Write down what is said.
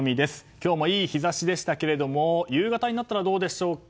今日もいい日差しでしたけども夕方になったらどうでしょうか。